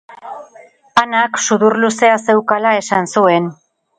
Anak sudur luzea zeukala esan zuen.